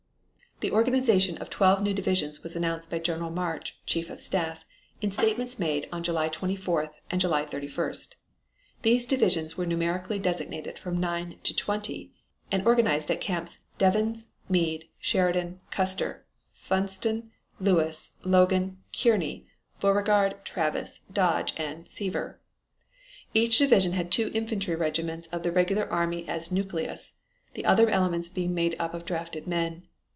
The organization of twelve new divisions was announced by General March, Chief of Staff, in statements made on July 24th and July 31st. These divisions were numerically designated from 9 to 20, and organized at Camps Devens, Meade, Sheridan, Custer, Funston, Lewis, Logan, Kearny, Beauregard, Travis, Dodge, and Sevier. Each division had two infantry regiments of the regular army as nucleus, the other elements being made up of drafted men.